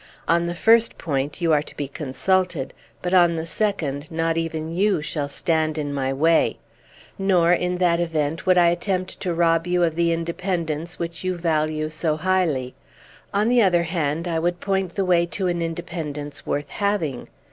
On the first point you are to be consulted, but on the second not even you shall stand in my way. Nor in that event would I attempt to rob you of the independence which you value so highly; on the other hand, I would point the way to an independence worth having.